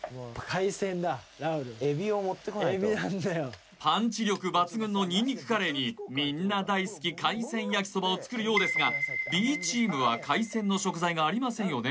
海老を持ってこないとパンチ力抜群のニンニクカレーにみんな大好き海鮮焼きそばを作るようですがＢチームは海鮮の食材がありませんよね